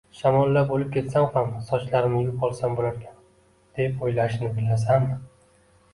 «shamollab o‘lib ketsam ham sochlarimni yuvib olsam bo‘larkan» deb o‘ylashini bilasanmi